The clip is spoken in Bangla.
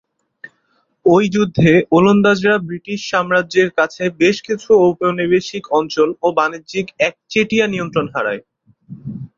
ঐ যুদ্ধে ওলন্দাজরা ব্রিটিশ সাম্রাজ্যের কাছে বেশ কিছু ঔপনিবেশিক অঞ্চল ও বাণিজ্যিক একচেটিয়া নিয়ন্ত্রণ হারায়।